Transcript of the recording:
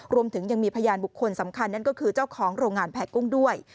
รวมถึงยังมีพยานบุคคลสำคัญนั่นก็คือเจ้าของโรงงานแผ่กุ้งด้วย